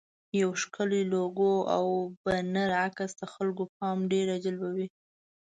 یو ښکلی لوګو او بنر عکس د خلکو پام ډېر راجلبوي.